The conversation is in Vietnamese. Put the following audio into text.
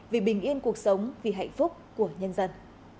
vì bình yên cuộc sống vì hạnh phúc của nhân dân